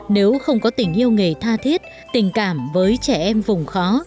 nếu không có tình yêu nghề tha thiết tình cảm với trẻ em vùng khó